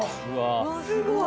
すごい！